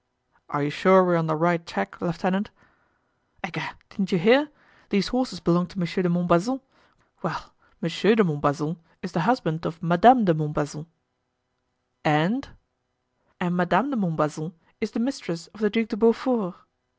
"Are you sure we are on the right track, lieutenant?" "Egad, didn't you hear? these horses belong to Monsieur de Montbazon; well, Monsieur de Montbazon is the husband of Madame de Montbazon——" "And——" "And Madame de Montbazon is the mistress of the Duc de Beaufort."